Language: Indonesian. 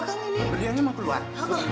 berdiamnya mau keluar